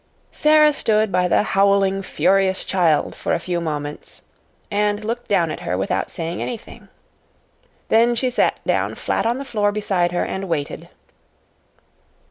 Sara stood by the howling furious child for a few moments, and looked down at her without saying anything. Then she sat down flat on the floor beside her and waited.